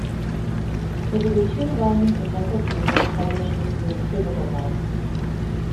It is a "two-volume" encyclopedia published as three "physical" volumes.